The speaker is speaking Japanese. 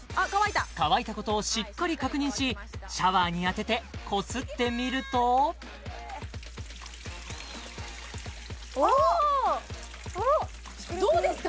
乾いたことをしっかり確認しシャワーに当ててこすってみるとおおどうですか？